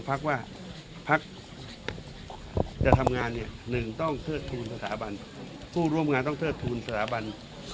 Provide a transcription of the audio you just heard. พวกร่วมงานต้องทดทูลสถาบัน